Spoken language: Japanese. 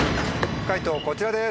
解答こちらです。